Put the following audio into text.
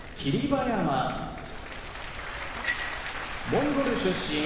馬山モンゴル出身